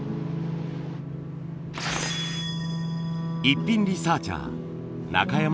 イッピンリサーチャー中山